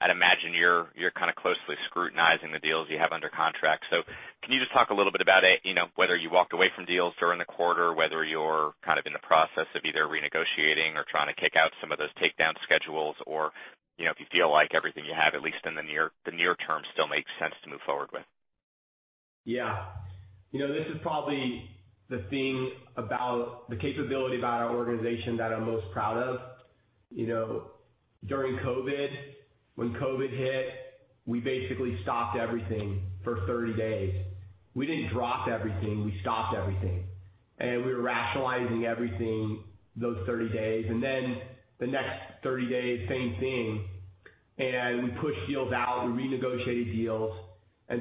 I'd imagine you're kinda closely scrutinizing the deals you have under contract. Can you just talk a little bit about it, you know, whether you walked away from deals during the quarter, whether you're kind of in the process of either renegotiating or trying to kick out some of those takedown schedules or, you know, if you feel like everything you have, at least in the near term, still makes sense to move forward with? Yeah. You know, this is probably the thing about the capability about our organization that I'm most proud of. You know, during COVID, when COVID hit, we basically stopped everything for 30 days. We didn't drop everything, we stopped everything. We were rationalizing everything those 30 days. Then the next 30 days, same thing. We pushed deals out, we renegotiated deals.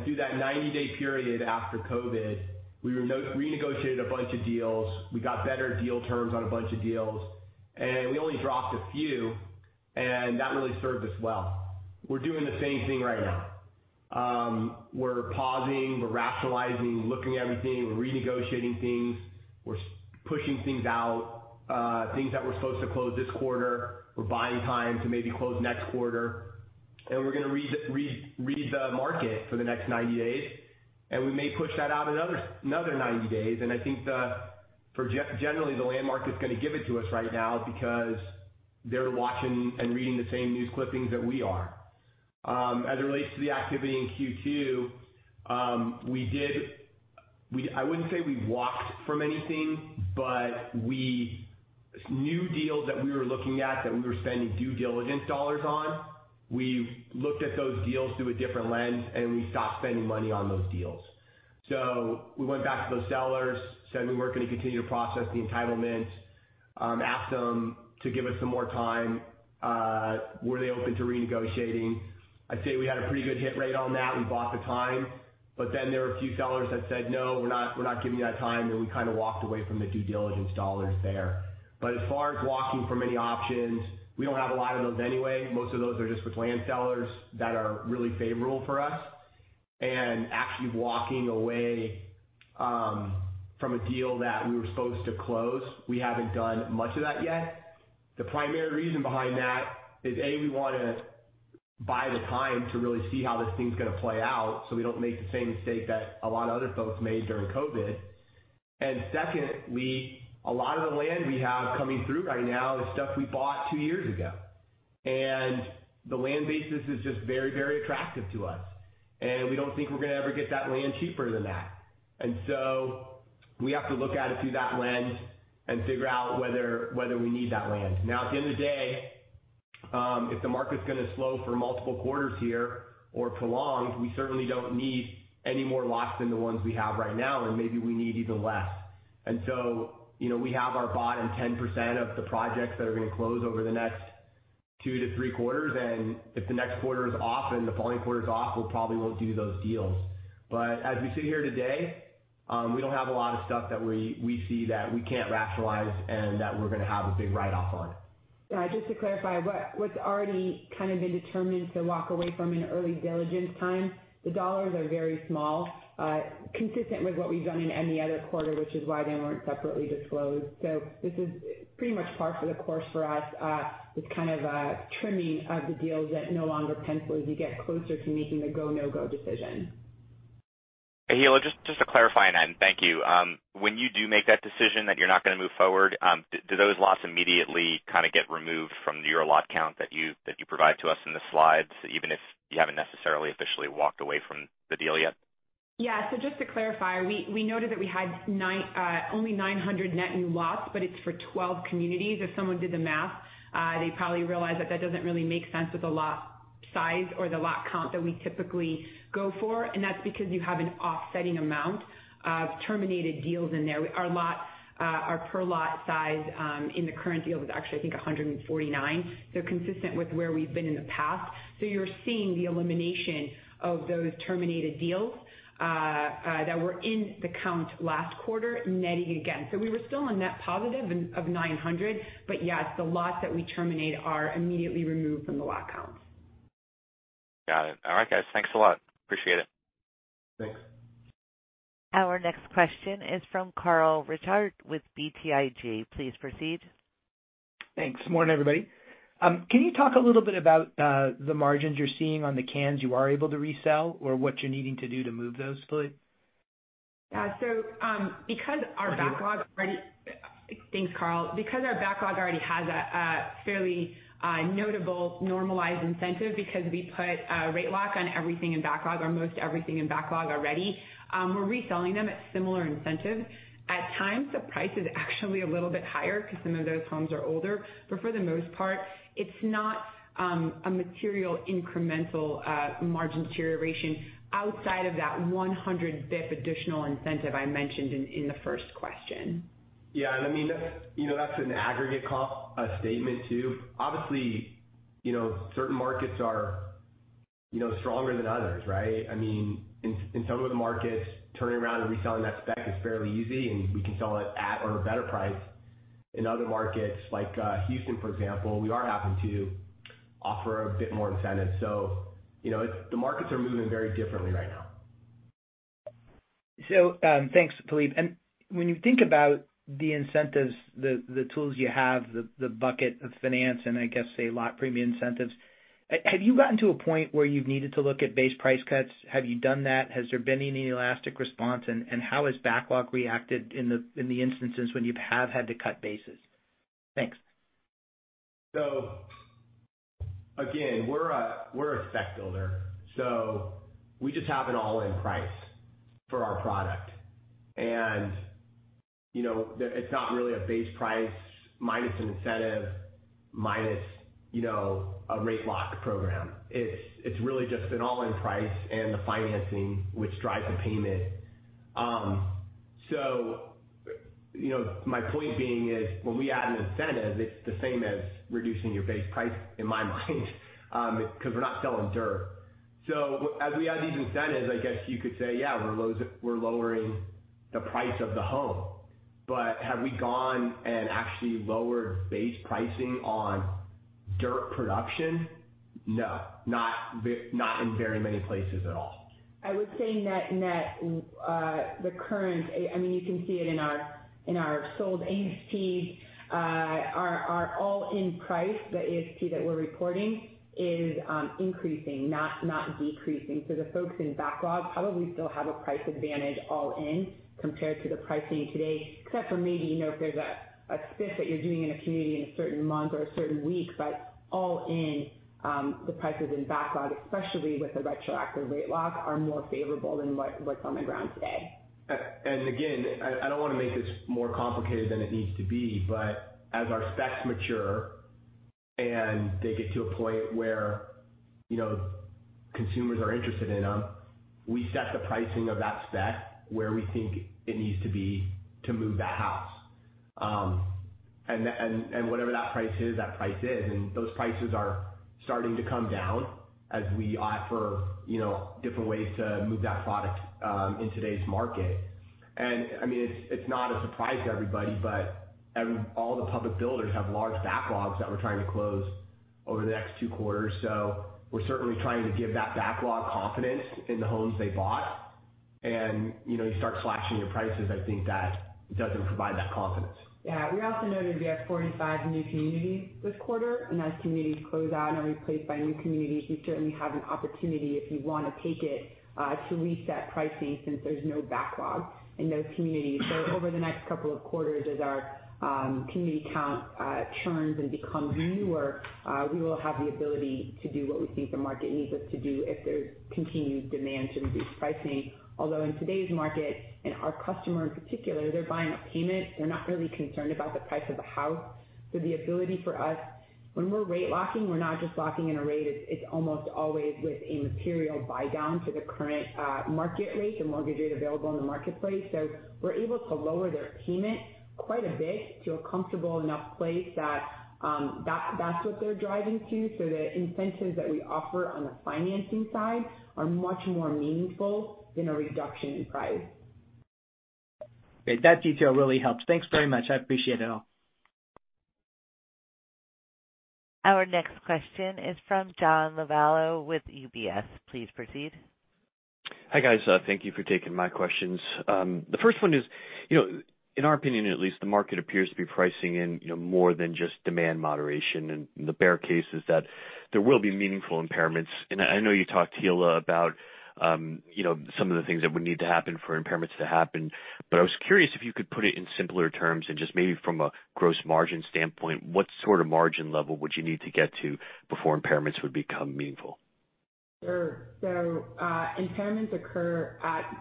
Through that 90-day period after COVID, we re-negotiated a bunch of deals. We got better deal terms on a bunch of deals, and we only dropped a few. That really served us well. We're doing the same thing right now. We're pausing, we're rationalizing, looking at everything. We're renegotiating things. We're pushing things out. Things that were supposed to close this quarter, we're buying time to maybe close next quarter. We're going to read the market for the next 90 days, and we may push that out another 90 days. I think for generally, the Land Bank is going to give it to us right now because they're watching and reading the same news clippings that we are. As it relates to the activity in Q2, we did. I wouldn't say we walked from anything, but new deals that we were looking at, that we were spending due diligence dollars on, we looked at those deals through a different lens, and we stopped spending money on those deals. We went back to those sellers, said we weren't gonna continue to process the entitlement, asked them to give us some more time, were they open to renegotiating. I'd say we had a pretty good hit rate on that. We bought the time. There were a few sellers that said, "No, we're not, we're not giving you that time," and we kinda walked away from the due diligence dollars there. As far as walking from any options, we don't have a lot of those anyway. Most of those are just with land sellers that are really favorable for us. Actually walking away from a deal that we were supposed to close, we haven't done much of that yet. The primary reason behind that is, A, we wanna buy the time to really see how this thing's gonna play out, so we don't make the same mistake that a lot of other folks made during COVID. Secondly, a lot of the land we have coming through right now is stuff we bought two years ago. The land basis is just very, very attractive to us, and we don't think we're gonna ever get that land cheaper than that. So we have to look at it through that lens and figure out whether we need that land. Now, at the end of the day, if the market's gonna slow for multiple quarters here or prolong, we certainly don't need any more lots than the ones we have right now, and maybe we need even less. You know, we have budgeted 10% of the projects that are gonna close over the next 2 to 3 quarters, and if the next quarter is off and the following quarter is off, we probably won't do those deals. As we sit here today, we don't have a lot of stuff that we see that we can't rationalize and that we're gonna have a big write-off on. Just to clarify, what's already kind of been determined to walk away from in early diligence time, the dollars are very small, consistent with what we've done in any other quarter, which is why they weren't separately disclosed. This is pretty much par for the course for us. It's kind of a trimming of the deals that no longer pencil as you get closer to making the go, no-go decision. Hilla, just to clarify, and thank you. When you do make that decision that you're not gonna move forward, do those lots immediately kinda get removed from your lot count that you provide to us in the slides, even if you haven't necessarily officially walked away from the deal yet? Yeah. Just to clarify, we noted that we had only 900 net new lots, but it's for 12 communities. If someone did the math, they'd probably realize that that doesn't really make sense with the lot size or the lot count that we typically go for, and that's because you have an offsetting amount of terminated deals in there. Our lots, our per lot size in the current deal is actually, I think, 149. They're consistent with where we've been in the past. You're seeing the elimination of those terminated deals that were in the count last quarter, netting again. We were still a net positive of 900. But yeah, it's the lots that we terminate are immediately removed from the lot counts. Got it. All right, guys. Thanks a lot. Appreciate it. Thanks. Our next question is from Carl Reichardt with BTIG. Please proceed. Thanks. Morning, everybody. Can you talk a little bit about the margins you're seeing on the cans you are able to resell or what you're needing to do to move those, please? Yeah. Because our backlog already- Sorry, Hilla. Thanks, Carl. Because our backlog already has a fairly notable normalized incentive because we put a rate lock on everything in backlog or most everything in backlog already, we're reselling them at similar incentives. At times, the price is actually a little bit higher 'cause some of those homes are older. But for the most part, it's not a material incremental margin deterioration outside of that 100 basis points additional incentive I mentioned in the first question. Yeah. I mean, that's, you know, that's an aggregate statement too. Obviously, you know, certain markets are, you know, stronger than others, right? I mean, in some of the markets, turning around and reselling that spec is fairly easy, and we can sell it at or a better price. In other markets, like, Houston, for example, we are having to offer a bit more incentive. You know, it's the markets are moving very differently right now. Thanks, Phillippe. When you think about the incentives, the tools you have, the bucket of finance and I guess, say, lot premium incentives, have you gotten to a point where you've needed to look at base price cuts? Have you done that? Has there been any elastic response? How has backlog reacted in the instances when you have had to cut bases? Thanks. Again, we're a spec builder, so we just have an all-in price for our product. You know, it's not really a base price minus an incentive, minus, you know, a rate lock program. It's really just an all-in price and the financing which drives the payment. You know, my point being is when we add an incentive, it's the same as reducing your base price in my mind, 'cause we're not selling dirt. As we add these incentives, I guess you could say, yeah, we're lowering the price of the home. Have we gone and actually lowered base pricing on dirt production? No. Not in very many places at all. I would say net, the current, I mean, you can see it in our sold ASPs are all in price. The ASP that we're reporting is increasing, not decreasing. The folks in backlog probably still have a price advantage all in compared to the pricing today, except for maybe, you know, if there's a spiff that you're doing in a community in a certain month or a certain week. All in, the prices in backlog, especially with the retroactive rate locks, are more favorable than what's on the ground today. I don't wanna make this more complicated than it needs to be, but as our specs mature and they get to a point where, you know, consumers are interested in them, we set the pricing of that spec where we think it needs to be to move the house. And whatever that price is, that price is, and those prices are starting to come down as we offer, you know, different ways to move that product in today's market. I mean, it's not a surprise to everybody, but all the public builders have large backlogs that we're trying to close over the next two quarters. We're certainly trying to give that backlog confidence in the homes they bought. You know, you start slashing your prices, I think that doesn't provide that confidence. Yeah. We also noted we have 45 new communities this quarter, and as communities close out and are replaced by new communities, we certainly have an opportunity if we wanna take it, to reset pricing since there's no backlog in those communities. Over the next couple of quarters, as our community count churns and becomes newer, we will have the ability to do what we think the market needs us to do if there's continued demand to reduce pricing. Although in today's market, and our customer in particular, they're buying a payment, they're not really concerned about the price of the house. The ability for us when we're rate locking, we're not just locking in a rate, it's almost always with a material buydown to the current market rate, the mortgage rate available in the marketplace. We're able to lower their payment quite a bit to a comfortable enough place that that's what they're driving to. The incentives that we offer on the financing side are much more meaningful than a reduction in price. Great. That detail really helps. Thanks very much. I appreciate it all. Our next question is from John Lovallo with UBS. Please proceed. Hi, guys. Thank you for taking my questions. The first one is, you know, in our opinion at least, the market appears to be pricing in, you know, more than just demand moderation. The bear case is that there will be meaningful impairments. I know you talked, Hilla, about, you know, some of the things that would need to happen for impairments to happen. I was curious if you could put it in simpler terms and just maybe from a gross margin standpoint, what sort of margin level would you need to get to before impairments would become meaningful? Sure. Impairments occur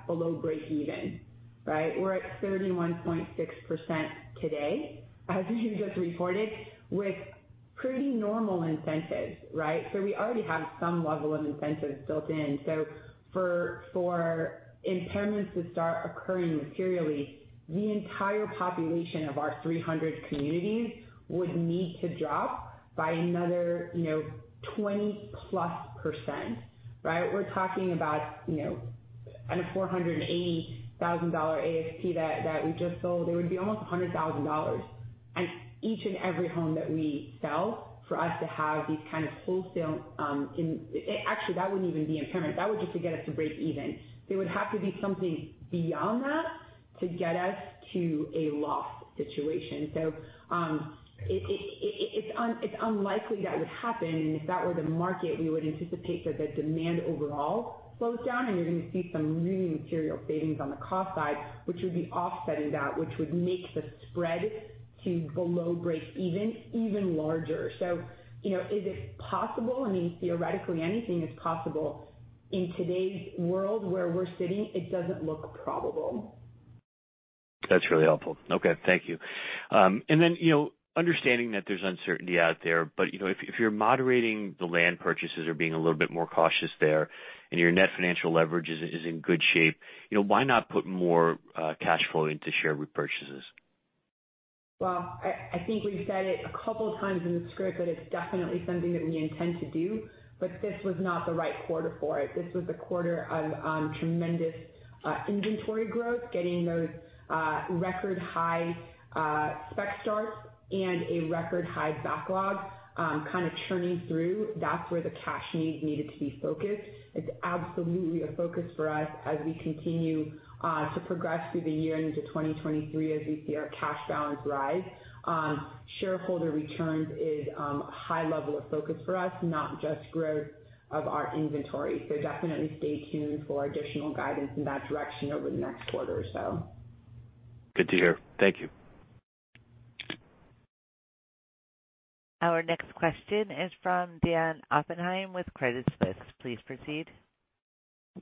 below break even, right? We're at 31.6% today, as we just reported, with pretty normal incentives, right? We already have some level of incentives built in. For impairments to start occurring materially, the entire population of our 300 communities would need to drop by another, you know, 20%+, right? We're talking about, you know, on a $480,000 ASP that we just sold, it would be almost $100,000 on each and every home that we sell for us to have these kind of wholesale. Actually, that wouldn't even be impairment. That would just to get us to break even. There would have to be something beyond that to get us to a loss situation. It's unlikely that would happen. If that were the market, we would anticipate that the demand overall slows down and you're gonna see some really material savings on the cost side, which would be offsetting that, which would make the spread to below break even larger. You know, is it possible? I mean, theoretically anything is possible. In today's world where we're sitting, it doesn't look probable. That's really helpful. Okay. Thank you. You know, understanding that there's uncertainty out there, but you know, if you're moderating the land purchases or being a little bit more cautious there and your net financial leverage is in good shape, you know, why not put more cash flow into share repurchases? Well, I think we've said it a couple times in the script that it's definitely something that we intend to do, but this was not the right quarter for it. This was a quarter of tremendous inventory growth, getting those record high spec starts and a record high backlog kind of churning through. That's where the cash needs needed to be focused. It's absolutely a focus for us as we continue to progress through the year and into 2023 as we see our cash balance rise. Shareholder returns is a high level of focus for us, not just growth of our inventory. Definitely stay tuned for additional guidance in that direction over the next quarter or so. Good to hear. Thank you. Our next question is from Dan Oppenheim with Credit Suisse. Please proceed.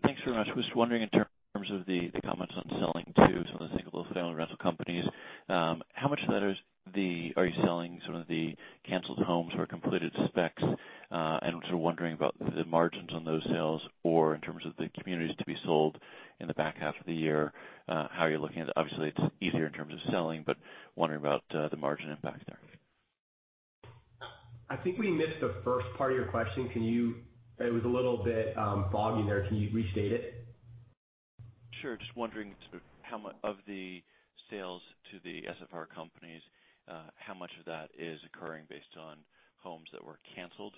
Thanks very much. Was wondering in terms of the comments on selling to some of the single-family rental companies, how much of that are you selling some of the canceled homes or completed specs? And sort of wondering about the margins on those sales or in terms of the communities to be sold in the back half of the year, how you're looking at it. Obviously, it's easier in terms of selling, but wondering about the margin impact there. I think we missed the first part of your question. It was a little bit foggy there. Can you restate it? Sure. Just wondering sort of how much of the sales to the SFR companies, how much of that is occurring based on homes that were canceled,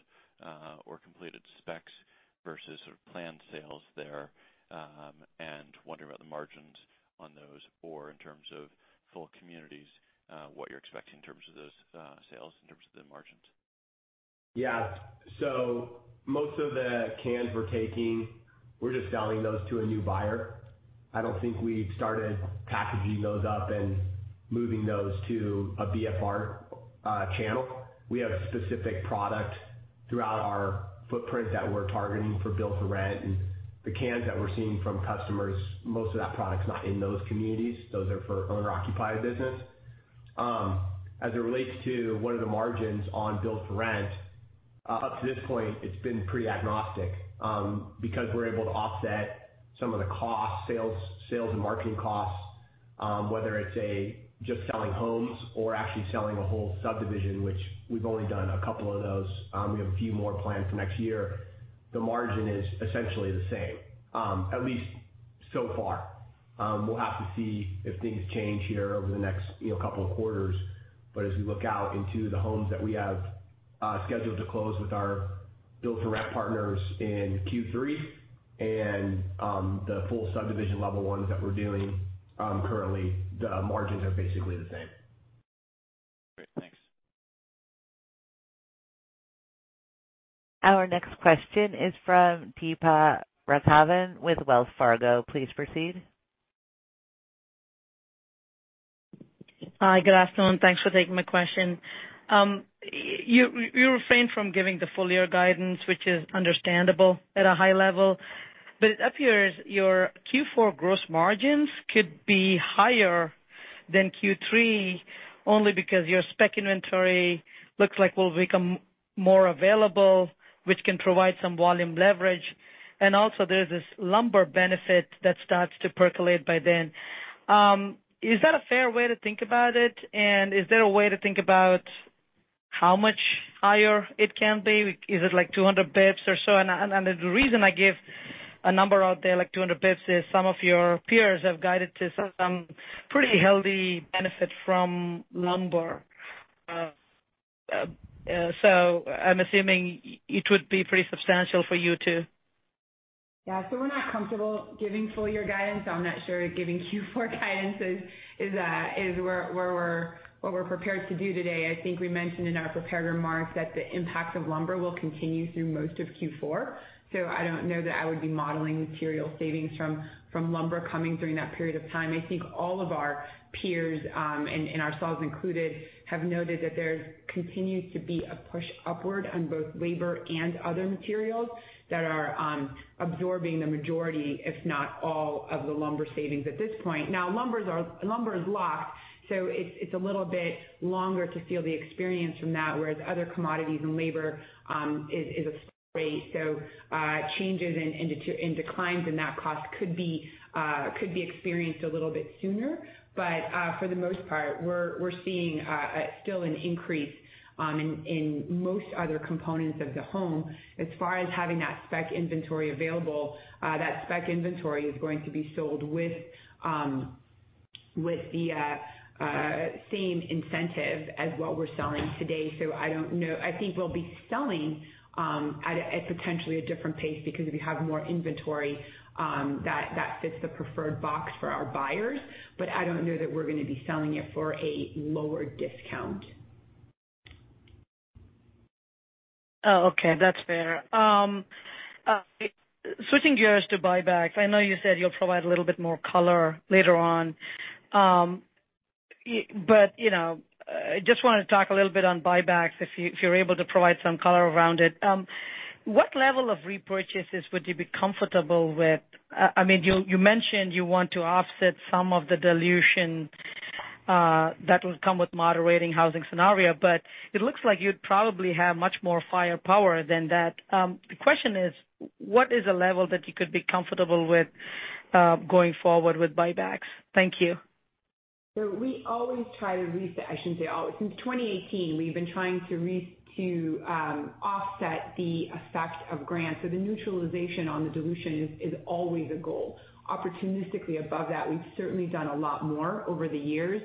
or completed specs versus sort of planned sales there, and wondering about the margins on those, or in terms of full communities, what you're expecting in terms of those, sales, in terms of the margins. Yeah. Most of the cancellations we're taking, we're just selling those to a new buyer. I don't think we've started packaging those up and moving those to a BFR channel. We have specific product throughout our footprint that we're targeting for Build-to-Rent. The cancellations that we're seeing from customers, most of that product's not in those communities. Those are for owner-occupied business. As it relates to what are the margins on Build-to-Rent, up to this point, it's been pretty agnostic because we're able to offset some of the costs, sales and marketing costs, whether it's just selling homes or actually selling a whole subdivision, which we've only done a couple of those. We have a few more planned for next year. The margin is essentially the same, at least so far. We'll have to see if things change here over the next, you know, couple of quarters. As we look out into the homes that we have scheduled to close with our Build-to-Rent partners in Q3 and the full subdivision level ones that we're doing, currently, the margins are basically the same. Great. Thanks. Our next question is from Deepa Raghavan with Wells Fargo. Please proceed. Hi, good afternoon. Thanks for taking my question. You refrained from giving the full year guidance, which is understandable at a high level, but it appears your Q4 gross margins could be higher than Q3 only because your spec inventory looks like it will become more available, which can provide some volume leverage. There's this lumber benefit that starts to percolate by then. Is that a fair way to think about it? Is there a way to think about how much higher it can be? Is it like 200 basis points or so? The reason I give a number out there like 200 basis points is some of your peers have guided to some pretty healthy benefit from lumber. So I'm assuming it would be pretty substantial for you too. Yeah. We're not comfortable giving full year guidance. I'm not sure giving Q4 guidance is what we're prepared to do today. I think we mentioned in our prepared remarks that the impact of lumber will continue through most of Q4. I don't know that I would be modeling material savings from lumber coming during that period of time. I think all of our peers and ourselves included have noted that there continues to be a push upward on both labor and other materials that are absorbing the majority, if not all, of the lumber savings at this point. Now, lumber is locked, so it's a little bit longer to feel the experience from that, whereas other commodities and labor are a spread. Changes in declines in that cost could be experienced a little bit sooner. For the most part, we're seeing still an increase in most other components of the home. As far as having that spec inventory available, that spec inventory is going to be sold with the same incentive as what we're selling today. I don't know. I think we'll be selling at potentially a different pace because we have more inventory that fits the preferred box for our buyers. I don't know that we're gonna be selling it for a lower discount. Oh, okay. That's fair. Switching gears to buybacks, I know you said you'll provide a little bit more color later on. But you know, just wanna talk a little bit on buybacks if you're able to provide some color around it. What level of repurchases would you be comfortable with? I mean, you mentioned you want to offset some of the dilution that will come with moderating housing scenario, but it looks like you'd probably have much more firepower than that. The question is, what is a level that you could be comfortable with going forward with buybacks? Thank you. We always try to offset the effect of grants. I shouldn't say always. Since 2018, we've been trying to offset the effect of grants. The neutralization of the dilution is always a goal. Opportunistically above that, we've certainly done a lot more over the years.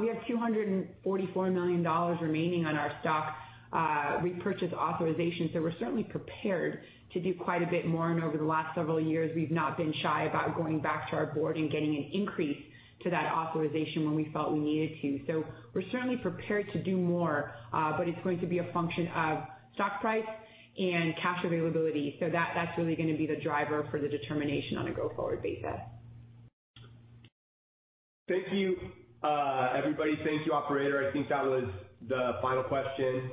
We have $244 million remaining on our stock repurchase authorization, so we're certainly prepared to do quite a bit more. Over the last several years, we've not been shy about going back to our Board and getting an increase to that authorization when we felt we needed to. We're certainly prepared to do more, but it's going to be a function of stock price and cash availability. That's really gonna be the driver for the determination on a go-forward basis. Thank you, everybody. Thank you, operator. I think that was the final question.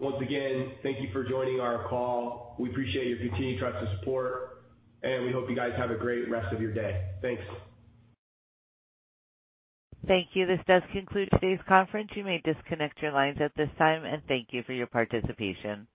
Once again, thank you for joining our call. We appreciate your continued trust and support, and we hope you guys have a great rest of your day. Thanks. Thank you. This does conclude today's conference. You may disconnect your lines at this time and thank you for your participation.